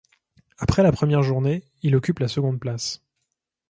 Après la première journée, il occupe la seconde place.